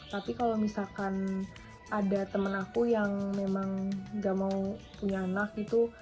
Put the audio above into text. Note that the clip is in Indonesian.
tapi kalau misalkan ada temen aku yang memang gak mau punya anak gitu